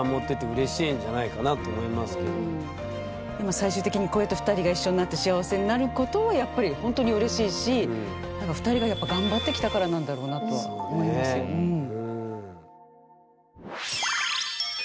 最終的にこうやって２人が一緒になって幸せになることはやっぱりほんとにうれしいしなんか２人がやっぱ頑張ってきたからなんだろうなとは思いますようん。